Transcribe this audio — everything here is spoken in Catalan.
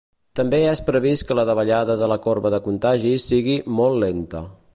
També és previst que la davallada de la corba de contagis sigui “molt lenta”.